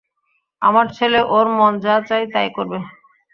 আমার ছেলে ওর মন যা চাই তাই করবে।